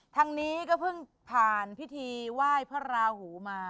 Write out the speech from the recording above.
ทางนี้ก็เพิ่งผ่านพิธีว่ายพระหู้มา